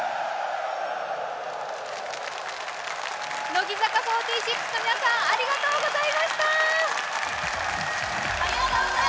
乃木坂４６の皆さん、ありがとうございました。